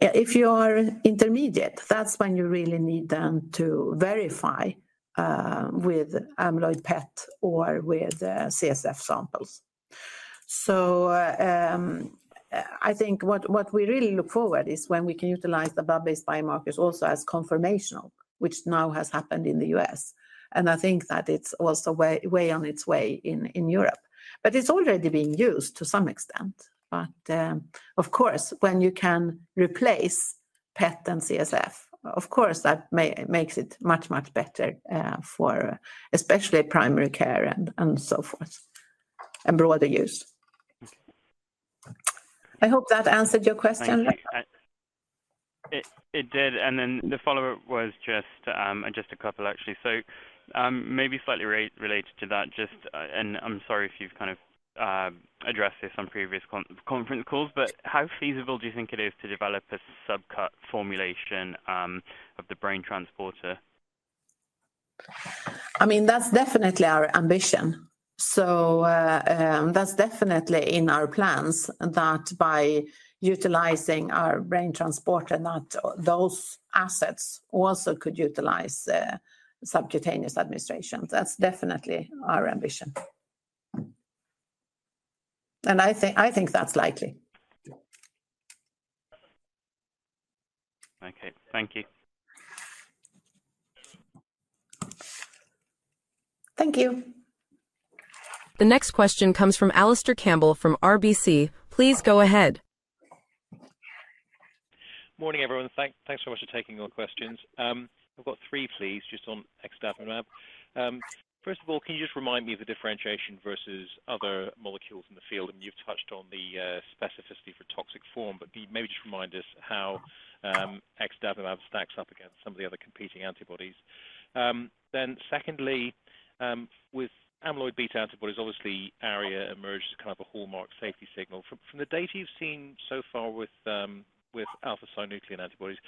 If you are intermediate, that is when you really need them to verify with amyloid PET or with CSF samples. I think what we really look forward to is when we can utilize the blood-based biomarkers also as confirmational, which now has happened in the U.S. I think that it is also on its way in Europe, but it is already being used to some extent. Of course, when you can replace PET and CSF, that makes it much, much better for especially primary care and so forth and broader use. I hope that answered your question. It did. The follow-up was just a couple, actually. Maybe slightly related to that, just, and I'm sorry if you've kind of addressed this on previous conference calls, but how feasible do you think it is to develop a subcut formulation of the BrainTransporter? I mean, that's definitely our ambition. That's definitely in our plans that by utilizing our BrainTransporter, those assets also could utilize subcutaneous administration. That's definitely our ambition. I think that's likely. Okay, thank you. Thank you. The next question comes from Alastair Campbell from RBC. Please go ahead. Morning, everyone. Thanks so much for taking your questions. I've got three, please, just on Exidavnemab. First of all, can you just remind me of the differentiation versus other molecules in the field? You've touched on the specificity for toxic form, but maybe just remind us how Exidavnemab stacks up against some of the other competing antibodies. Secondly, with amyloid beta antibodies, obviously, ARIA emerges as kind of a hallmark safety signal. From the data you've seen so far with alpha-synuclein antibodies,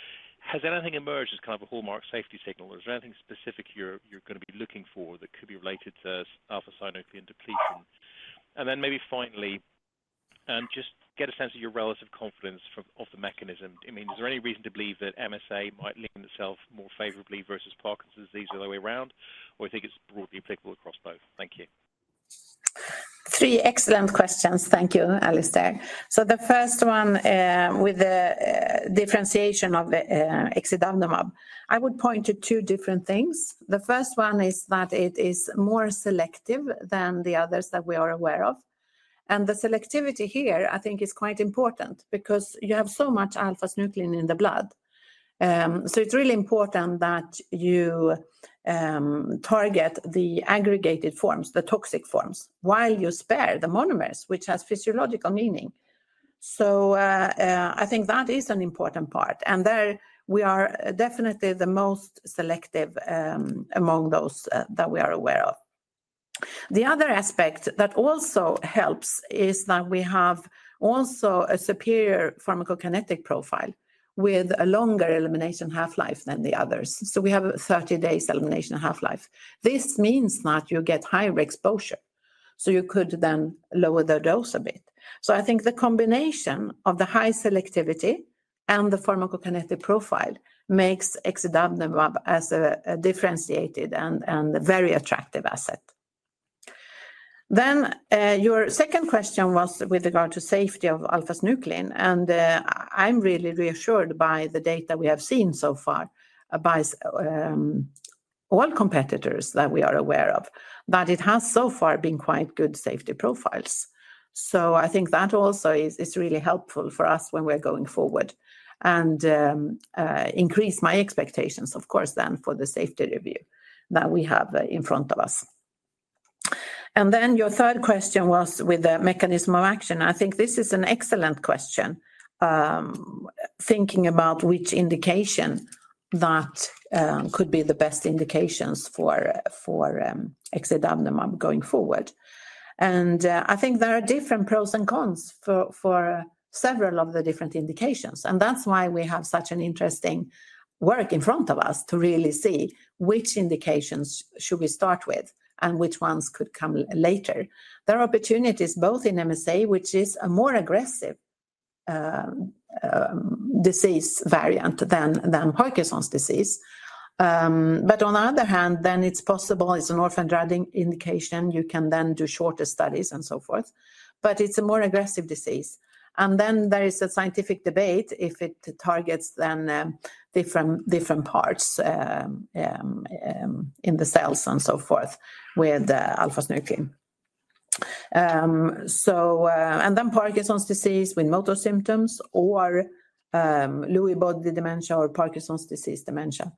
has anything emerged as kind of a hallmark safety signal? Is there anything specific you're going to be looking for that could be related to alpha-synuclein depletion? Maybe finally, just get a sense of your relative confidence of the mechanism. I mean, is there any reason to believe that MSA might lean itself more favorably versus Parkinson's disease the other way around, or do you think it's broadly applicable across both? Thank you. Three excellent questions. Thank you, Alastair. The first one with the differentiation of Exidavnemab, I would point to two different things. The first one is that it is more selective than the others that we are aware of. The selectivity here, I think, is quite important because you have so much Alpha-synuclein in the blood. It is really important that you target the aggregated forms, the toxic forms, while you spare the monomers, which has physiological meaning. I think that is an important part. There we are definitely the most selective among those that we are aware of. The other aspect that also helps is that we have also a superior pharmacokinetic profile with a longer elimination half-life than the others. We have a 30-day elimination half-life. This means that you get higher exposure. You could then lower the dose a bit. I think the combination of the high selectivity and the pharmacokinetic profile makes Exidavnemab a differentiated and very attractive asset. Your second question was with regard to safety of alpha-synuclein. I'm really reassured by the data we have seen so far by all competitors that we are aware of that it has so far been quite good safety profiles. I think that also is really helpful for us when we're going forward and increases my expectations, of course, for the safety review that we have in front of us. Your third question was with the mechanism of action. I think this is an excellent question, thinking about which indication could be the best indications for Exidavnemab going forward. I think there are different pros and cons for several of the different indications. That is why we have such an interesting work in front of us to really see which indications should we start with and which ones could come later. There are opportunities both in MSA, which is a more aggressive disease variant than Parkinson's disease. On the other hand, it is possible it is an orphan drug indication. You can then do shorter studies and so forth. It is a more aggressive disease. There is a scientific debate if it targets different parts in the cells and so forth with alpha-synuclein. Parkinson's disease with motor symptoms or Lewy body dementia or Parkinson's disease dementia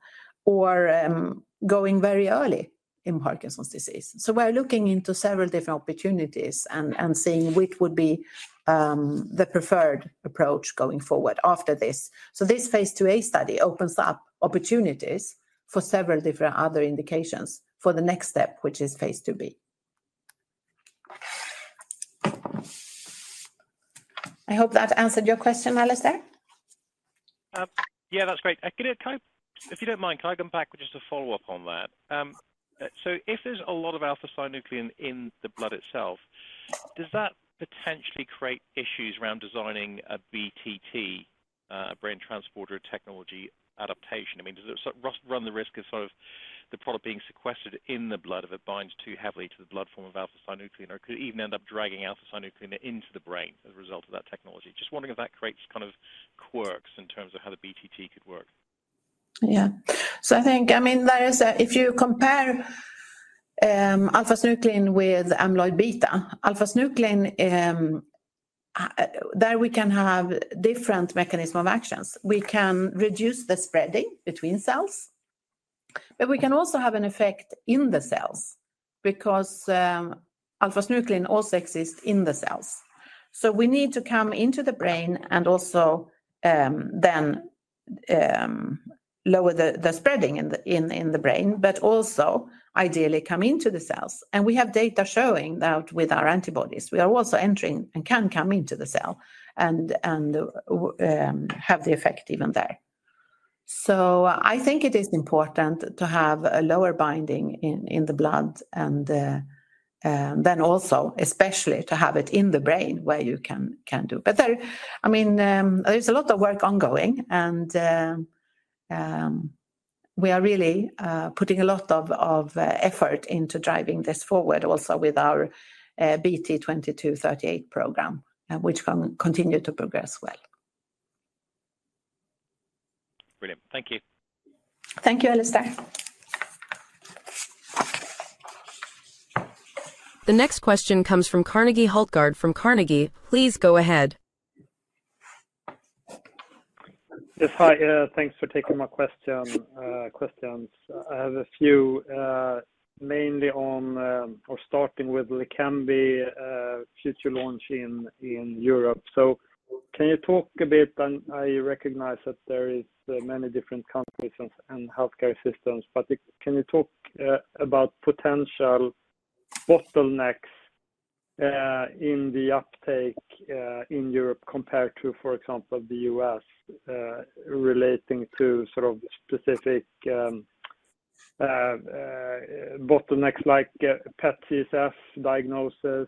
or going very early in Parkinson's disease are also being considered. We are looking into several different opportunities and seeing which would be the preferred approach going forward after this. This phase 2A study opens up opportunities for several different other indications for the next step, which is phase 2B. I hope that answered your question, Alastair. Yeah, that's great. If you don't mind, can I come back with just a follow-up on that? If there's a lot of alpha-synuclein in the blood itself, does that potentially create issues around designing a BTT, a BrainTransporter technology adaptation? I mean, does it run the risk of sort of the product being sequestered in the blood if it binds too heavily to the blood form of alpha-synuclein? Or could it even end up dragging alpha-synuclein into the brain as a result of that technology? Just wondering if that creates kind of quirks in terms of how the BTT could work. Yeah. I think, I mean, if you compare alpha-synuclein with amyloid beta, Alpha-synuclein, there we can have different mechanisms of actions. We can reduce the spreading between cells, but we can also have an effect in the cells because Alpha-synuclein also exists in the cells. We need to come into the brain and also then lower the spreading in the brain, but also ideally come into the cells. We have data showing that with our antibodies, we are also entering and can come into the cell and have the effect even there. I think it is important to have a lower binding in the blood and then also especially to have it in the brain where you can do. I mean, there's a lot of work ongoing, and we are really putting a lot of effort into driving this forward also with our BT2238 program, which can continue to progress well. Brilliant. Thank you. Thank you, Alastair. The next question comes fromErik Hultgard from Carnegie. Please go ahead. Yes, hi. Thanks for taking my questions. I have a few, mainly on or starting with Leqembi future launch in Europe. Can you talk a bit? I recognize that there are many different countries and healthcare systems, but can you talk about potential bottlenecks in the uptake in Europe compared to, for example, the U.S. relating to sort of specific bottlenecks like PET/CSF diagnosis,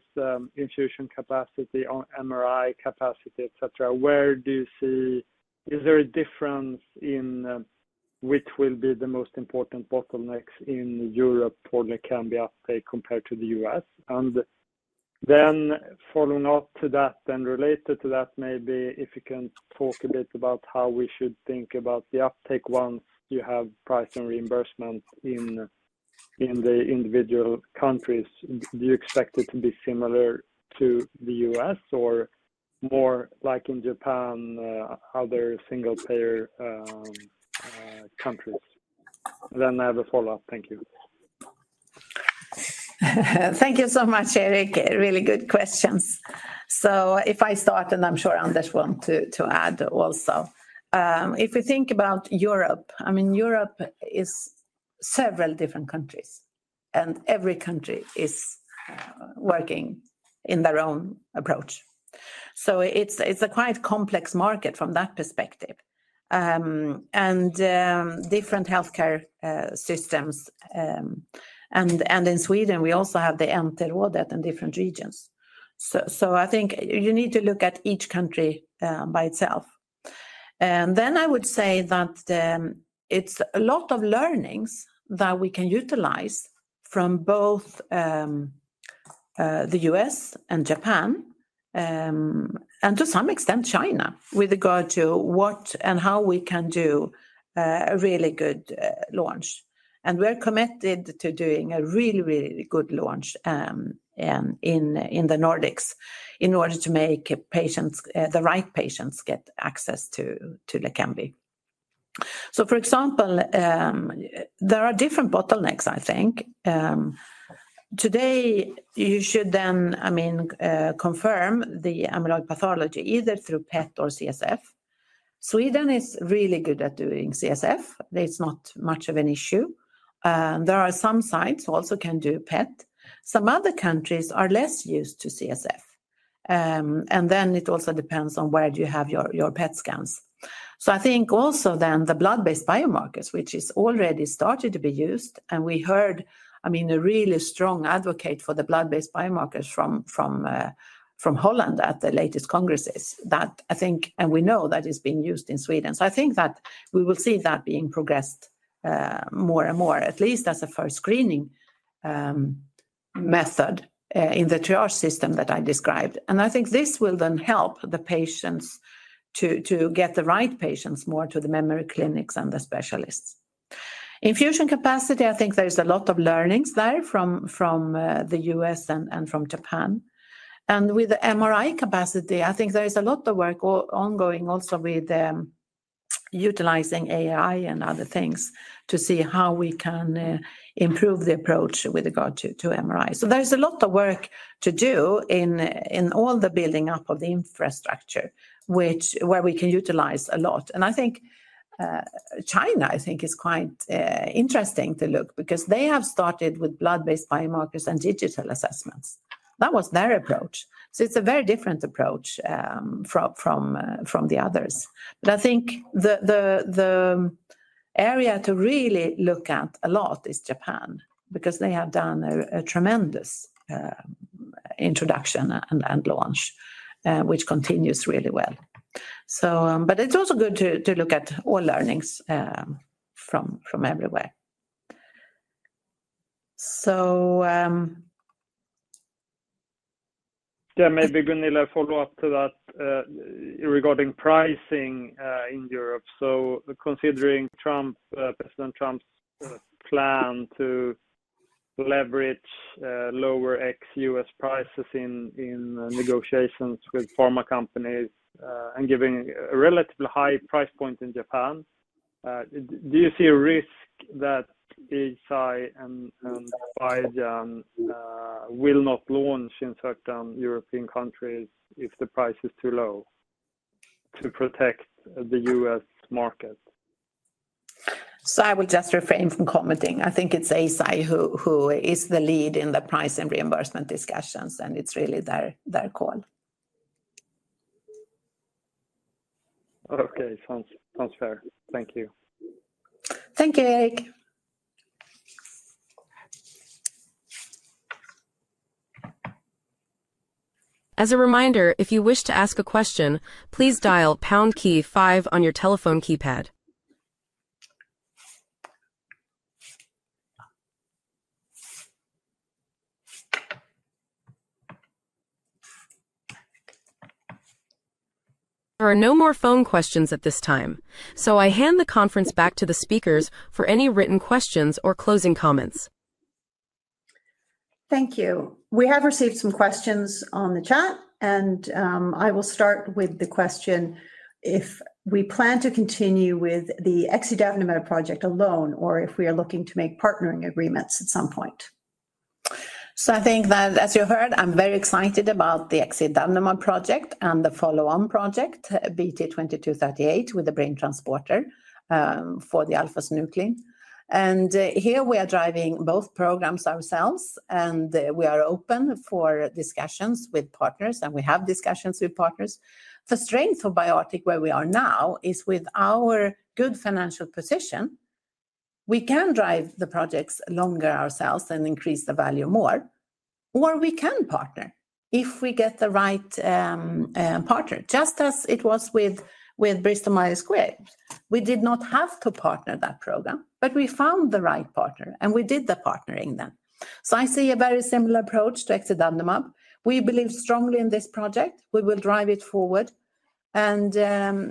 infusion capacity, MRI capacity, etc.? Where do you see is there a difference in which will be the most important bottlenecks in Europe for Leqembi uptake compared to the U.S.? Following up to that and related to that, maybe if you can talk a bit about how we should think about the uptake once you have price and reimbursement in the individual countries. Do you expect it to be similar to the U.S. or more like in Japan, other single-payer countries? I have a follow-up. Thank you. Thank you so much, Erik. Really good questions. If I start, and I am sure Anders wants to add also. If we think about Europe, I mean, Europe is several different countries, and every country is working in their own approach. It is a quite complex market from that perspective and different healthcare systems. In Sweden, we also have the MT rådet in different regions. I think you need to look at each country by itself. I would say that it's a lot of learnings that we can utilize from both the U.S. and Japan and to some extent China with regard to what and how we can do a really good launch. We're committed to doing a really, really good launch in the Nordics in order to make the right patients get access to Leqembi. For example, there are different bottlenecks, I think. Today, you should then, I mean, confirm the amyloid pathology either through PET or CSF. Sweden is really good at doing CSF. It's not much of an issue. There are some sites who also can do PET. Some other countries are less used to CSF. It also depends on where you have your PET scans. I think also then the blood-based biomarkers, which has already started to be used, and we heard, I mean, a really strong advocate for the blood-based biomarkers from Holland at the latest congresses that I think, and we know that it's being used in Sweden. I think that we will see that being progressed more and more, at least as a first screening method in the triage system that I described. I think this will then help the patients to get the right patients more to the memory clinics and the specialists. Infusion capacity, I think there is a lot of learnings there from the U.S. and from Japan. With the MRI capacity, I think there is a lot of work ongoing also with utilizing AI and other things to see how we can improve the approach with regard to MRI. There is a lot of work to do in all the building up of the infrastructure, which we can utilize a lot. I think China, I think, is quite interesting to look at because they have started with blood-based biomarkers and digital assessments. That was their approach. It is a very different approach from the others. I think the area to really look at a lot is Japan because they have done a tremendous introduction and launch, which continues really well. It is also good to look at all learnings from everywhere. Yeah, maybe Gunilla, follow-up to that regarding pricing in Europe. Considering President Trump's plan to leverage lower ex-U.S. prices in negotiations with pharma companies and given a relatively high price point in Japan, do you see a risk that Eisai and Biogen will not launch in certain European countries if the price is too low to protect the U.S. market? I would just refrain from commenting. I think it is Eisai who is the lead in the price and reimbursement discussions, and it is really their call. Okay. Sounds fair. Thank you. Thank you, Erik. As a reminder, if you wish to ask a question, please dial pound key five on your telephone keypad. There are no more phone questions at this time, so I hand the conference back to the speakers for any written questions or closing comments. Thank you. We have received some questions on the chat, and I will start with the question if we plan to continue with the Exidavnemab project alone or if we are looking to make partnering agreements at some point. I think that, as you heard, I'm very excited about the Exidavnemab project and the follow-on project, BT2238 with the BrainTransporter for the alpha-synuclein. Here we are driving both programs ourselves, and we are open for discussions with partners, and we have discussions with partners. The strength of BioArctic where we are now is with our good financial position. We can drive the projects longer ourselves and increase the value more, or we can partner if we get the right partner, just as it was with Bristol Myers Squibb. We did not have to partner that program, but we found the right partner, and we did the partnering then. I see a very similar approach to Exidavnemab. We believe strongly in this project. We will drive it forward, and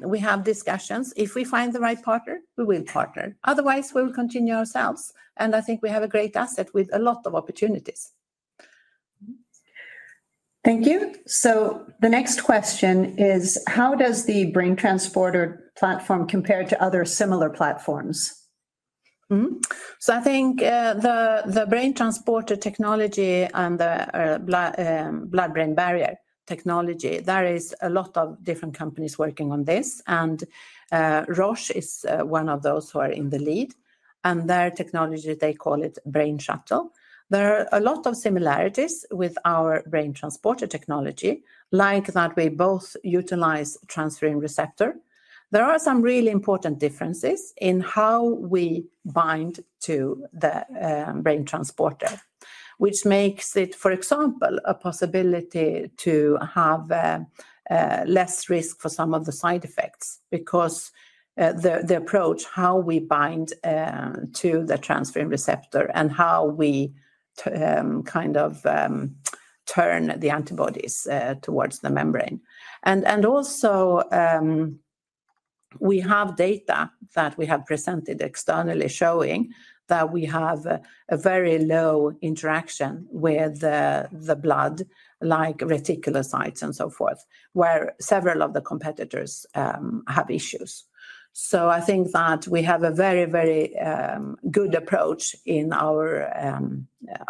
we have discussions. If we find the right partner, we will partner. Otherwise, we will continue ourselves. I think we have a great asset with a lot of opportunities. Thank you. The next question is, how does the BrainTransporter platform compare to other similar platforms? I think the BrainTransporter technology and the blood-brain barrier technology, there are a lot of different companies working on this, and Roche is one of those who are in the lead. Their technology, they call it Brain Shuttle. There are a lot of similarities with our BrainTransporter technology, like that we both utilize transferrin receptor. There are some really important differences in how we bind to the BrainTransporter, which makes it, for example, a possibility to have less risk for some of the side effects because the approach, how we bind to the transferrin receptor and how we kind of turn the antibodies towards the membrane. Also, we have data that we have presented externally showing that we have a very low interaction with the blood, like reticulocytes and so forth, where several of the competitors have issues. I think that we have a very, very good approach in our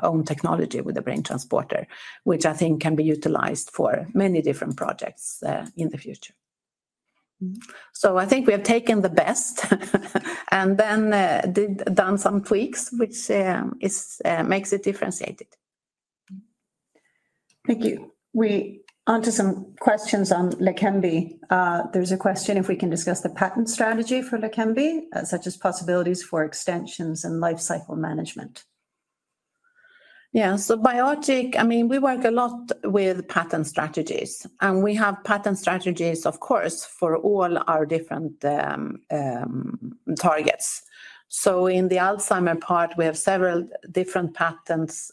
own technology with the BrainTransporter, which I think can be utilized for many different projects in the future. I think we have taken the best and then done some tweaks, which makes it differentiated. Thank you. We on to some questions on Leqembi. There's a question if we can discuss the patent strategy for Leqembi, such as possibilities for extensions and lifecycle management. Yeah. So BioArctic, I mean, we work a lot with patent strategies, and we have patent strategies, of course, for all our different targets. In the Alzheimer part, we have several different patents,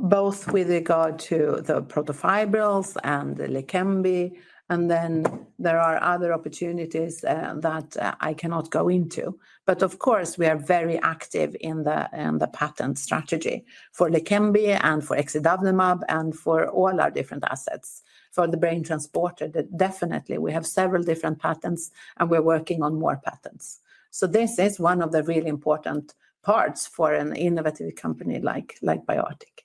both with regard to the protofibrils and Leqembi. There are other opportunities that I cannot go into. Of course, we are very active in the patent strategy for Leqembi and for Exidavnemab and for all our different assets. For the BrainTransporter, definitely, we have several different patents, and we're working on more patents. This is one of the really important parts for an innovative company like BioArctic.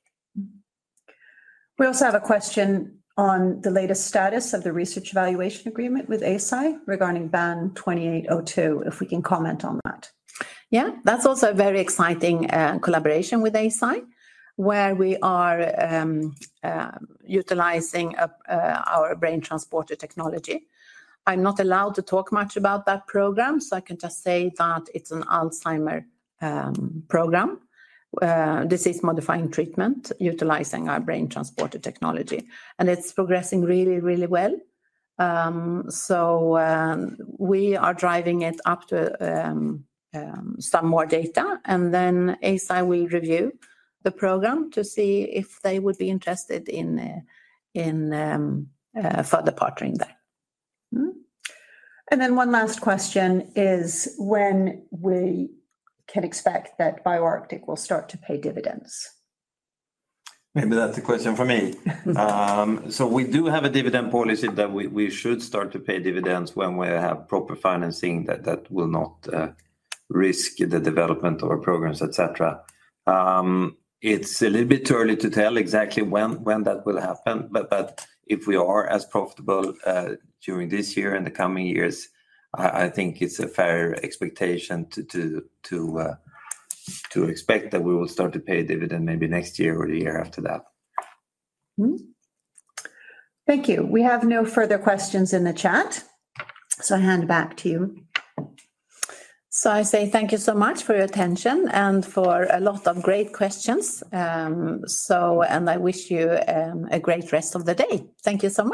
We also have a question on the latest status of the research evaluation agreement with Eisai regarding BAN2802, if we can comment on that. Yeah. That's also a very exciting collaboration with Eisai where we are utilizing our BrainTransporter technology. I'm not allowed to talk much about that program, so I can just say that it's an Alzheimer program, disease-modifying treatment utilizing our BrainTransporter technology. It's progressing really, really well. We are driving it up to some more data, and then Eisai will review the program to see if they would be interested in further partnering there. One last question is, when we can expect that BioArctic will start to pay dividends? Maybe that's a question for me. We do have a dividend policy that we should start to pay dividends when we have proper financing that will not risk the development of our programs, etc. It's a little bit early to tell exactly when that will happen, but if we are as profitable during this year and the coming years, I think it's a fair expectation to expect that we will start to pay dividend maybe next year or the year after that. Thank you. We have no further questions in the chat, so I hand back to you. I say thank you so much for your attention and for a lot of great questions. I wish you a great rest of the day. Thank you so much.